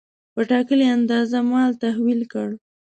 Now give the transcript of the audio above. په ټاکلې اندازه مال تحویل کړ.